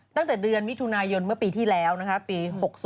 ตั้งแต่เดือนมิถุนายนเมื่อปีที่แล้วนะคะปี๖๒